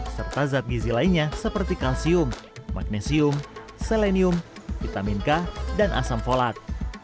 serta zat gizi lainnya seperti kalsium magnesium selenium vitamin k dan asam folat